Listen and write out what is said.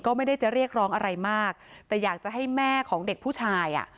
ก็ไม่ได้จะเรียกร้องอะไรมากแต่อยากจะให้แม่ของเด็กผู้ชายอ่ะ